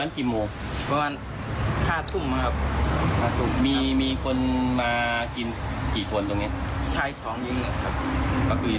แล้วเรามารู้ได้ไงเขาเสียชีวิตเรามาตามเขา